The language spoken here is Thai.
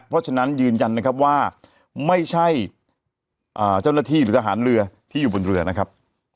เพราะฉะนั้นยืนยันนะครับว่าไม่ใช่เจ้าหน้าที่หรือทหารเรือที่อยู่บนเรือนะครับ